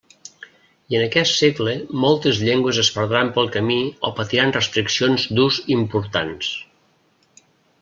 I en aquest segle moltes llengües es perdran pel camí o patiran restriccions d'ús importants.